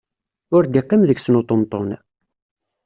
Ur d-iqqim deg-sen uṭenṭun.